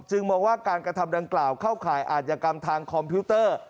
มองว่าการกระทำดังกล่าวเข้าข่ายอาจยกรรมทางคอมพิวเตอร์